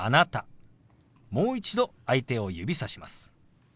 もう一度相手を指さします。